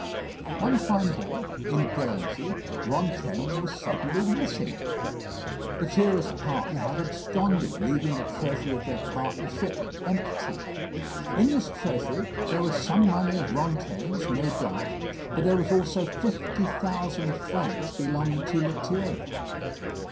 One fine day, in Guernsey, Rantaine was suddenly missing. Lethierry's partner had absconded, leaving the treasury of their partnership empty. In this treasury there was some money of Rantaine's, no doubt, but there were also fifty thousand francs belonging to Lethierry.